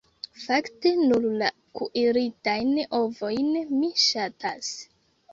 Fakte nur la kuiritajn ovojn mi ŝatas.